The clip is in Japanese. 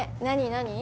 何？